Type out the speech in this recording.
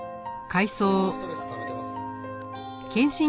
相当ストレスためてます？